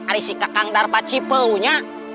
aih si kakang darpaci peunya